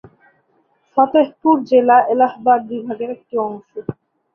ফতেহপুর জেলা এলাহাবাদ বিভাগের একটি অংশ।